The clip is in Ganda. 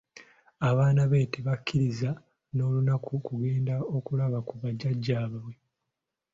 Abaana be tabakkiriza n'olunaku kugenda okulaba ku bajajjaabwe.